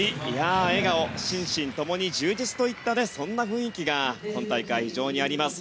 笑顔、心身ともに充実といったそんな雰囲気が今大会、非常にあります。